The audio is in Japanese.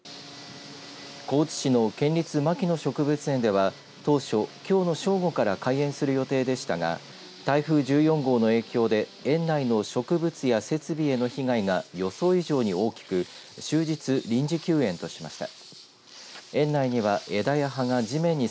高知市の県立牧野植物園では当初、きょうの午後から開園する予定でしたが台風１４号の影響で園内の植物や設備への被害が予想以上に大きく終日、臨時休園としました。